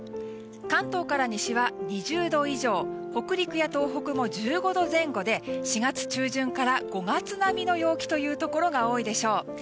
関東から西は２０度以上北陸や東北も１５度前後で４月中旬から５月並みの陽気のところが多いでしょう。